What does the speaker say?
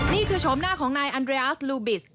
นี่คือชมหน้าของนายอันเดรียสลูบิส